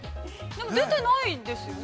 ◆出てないですよね。